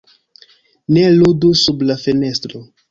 "Ne ludu sub la fenestro!"